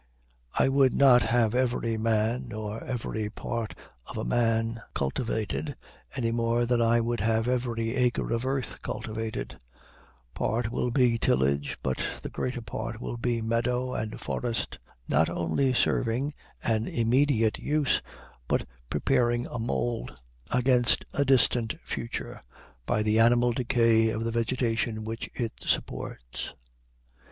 I would not have every man nor every part of a man cultivated, any more than I would have every acre of earth cultivated: part will be tillage, but the greater part will be meadow and forest, not only serving an immediate use, but preparing a mould against a distant future, by the annual decay of the vegetation which it supports.